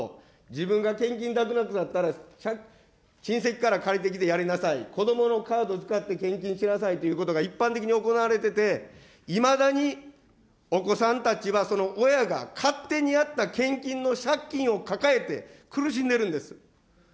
自分が献金できなくなったら親戚から借りてきてやりなさい、子どものカード使って献金しなさいということが一般的に行われていて、いまだにお子さんたちはその親が勝手にやった献金の借金を抱えて苦しんでるんです。